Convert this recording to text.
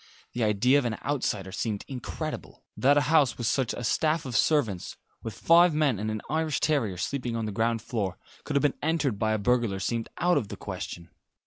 The idea of an outsider seemed incredible. That a house with such a staff of servants with five men and an Irish terrier sleeping on the ground floor could have been entered by a burglar seemed out of the question.